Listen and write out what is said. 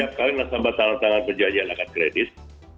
setiap kali nasabah tangan tangan berjaya angkat kredit